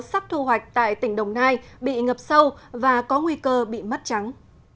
sắp thu hoạch tại tỉnh đồng nai bị ngập sâu và có nguy cơ bị mất trắng